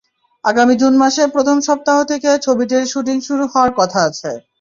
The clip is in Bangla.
আগামী জুলাই মাসের প্রথম সপ্তাহ থেকে ছবিটির শুটিং শুরু হওয়ার কথা আছে।